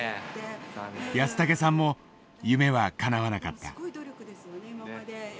安竹さんも夢はかなわなかった。